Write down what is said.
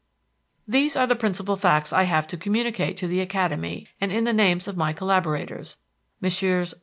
These are the principal facts I have to communicate to the Academy in my name and in the names of my collaborators, Messrs.